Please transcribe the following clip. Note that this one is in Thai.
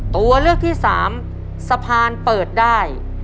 ตัวเลือกที่สามสะพานเปิดได้